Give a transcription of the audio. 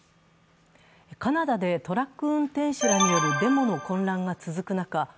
カナダでトラック運転手らによるデモの混乱が続く中